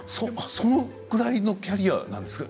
そのぐらいのキャリアなんですか？